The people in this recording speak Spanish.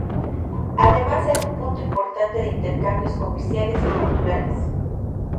Además era un punto importante de intercambios comerciales y culturales.